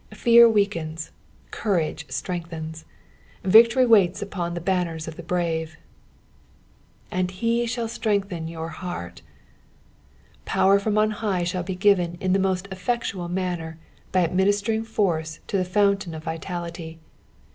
Fear weakens, courage BtreoKthens. Victory waita upon the banners of the brave. "And he lAoU itrengutea your heart." Power from on high shall be given in the most effectual manner by adminis tering force to the fountain of vitality.